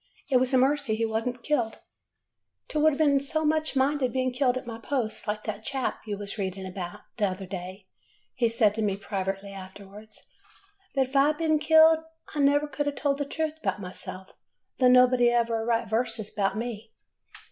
It was a mercy he was n't killed. '' T would n't so much minded bein' killed at my post, like that chap you was readin' about t' other day,' he said to me, privately after ward. 'But if I had been killed, I never could a' told the truth 'bout myself, though nobody 'll ever write verses 'bout me.